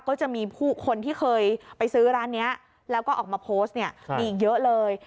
ก็จะมีผู้คนที่เคยไปซื้อร้านนี้แล้วก็ออกมาโพสต์เนี่ยมีอีกเยอะเลย